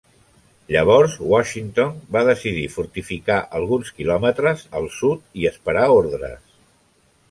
Llavors, Washington va decidir fortificar alguns quilòmetres al sud i esperar ordres.